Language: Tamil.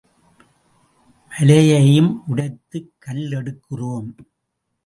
மலையையும் உடைத்துக் கல் எடுக்கிறோம்.